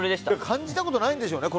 感じたことないんでしょうね